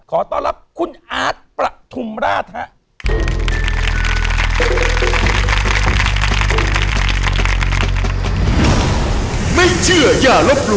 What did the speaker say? ขอต้อนรับคุณอาร์ตประทุมราชครับ